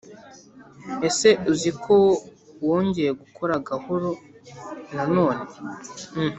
ese uziko wongeye gukora gahoro nanone